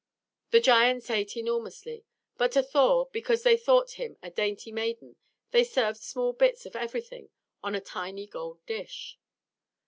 The giants ate enormously. But to Thor, because they thought him a dainty maiden, they served small bits of everything on a tiny gold dish.